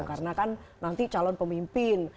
karena kan nanti calon pemimpin